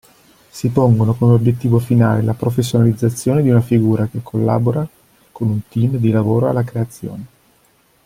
Si pongono come obiettivo finale la professionalizzazione di una figura che collabora con un team di lavoro alla creazione.